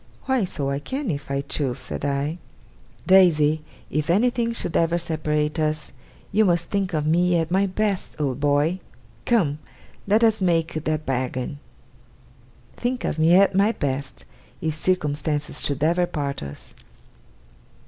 'Why so I can, if I choose,' said I. 'Daisy, if anything should ever separate us, you must think of me at my best, old boy. Come! Let us make that bargain. Think of me at my best, if circumstances should ever part us!